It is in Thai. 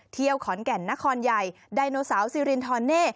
เที่ยวขอนแก่นนครใหญ่ดายโนเสาร์ซีรินทรอนเน่